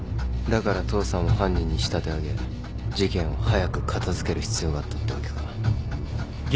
だから父さんを犯人に仕立て上げ事件を早く片付ける必要があったってわけか